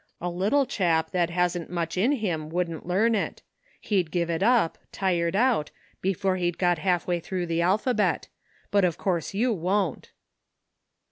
"A little chap that hadn't much in him wouldn't learn it. He'd give it up, tired out, before he'd got half way through the alphabet ; but of course you won't."